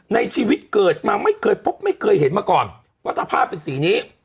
ในชีวิตเกิดมาไม่เคยเห็นมาก่อนวัตถาภาพเป็นสีนี้